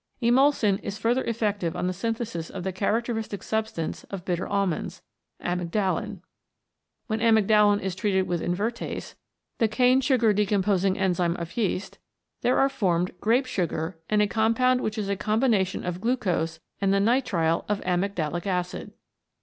Emulsin is further effective on the synthesis of the characteristic substance of bitter almonds, amygdalin. When amygdalin is treated with invertase, the cane sugar decomposing enzyme CHEMICAL PHENOMENA IN LIFE of yeast, there are formed grape sugar and a com pound which is a combination of glucose and the nitrile of amygdalic acid.